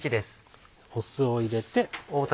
酢を入れて。